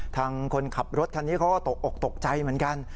คนขับรถคันนี้เขาก็ตกอกตกใจเหมือนกัน